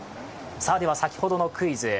では、先ほどのクイズ。